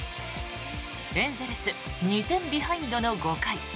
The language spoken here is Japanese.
エンゼルス２点ビハインドの５回。